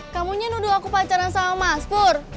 kamunya nuduh aku pacaran sama mas pur